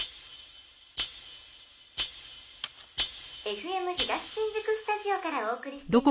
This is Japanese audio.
「ＦＭ東新宿スタジオからお送りしています